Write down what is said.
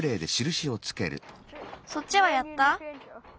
そっちはやった？